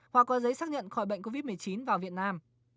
hoặc có giấy xác nhận khỏi bệnh covid một mươi chín vào việt nam